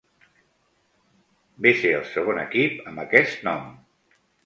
Ve ser el segon equip amb aquest nom.